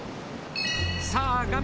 さあ画面